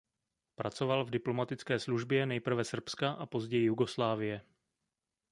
Pracoval v diplomatické službě nejprve Srbska a později Jugoslávie.